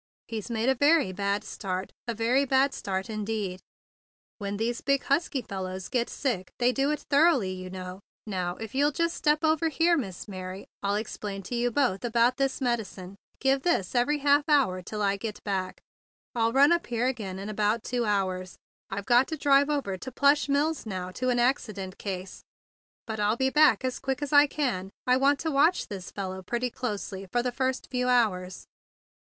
He's made a very bad start —a very bad start indeed. When these big, husky fellows get sick, they do it thoroughly, you know. Now, if you'll just step over here, Miss Mary, I'll ex¬ plain to you both about this medicine. THE BIG BLUE SOLDIER 143 Give this every lialf hour till I get back. I'll run up here again in about two hours. I've got to drive over to the Plush Mills now, to an accident case; but I'll be back as quick as I can. I want to watch this fellow pretty closely for the first few hours."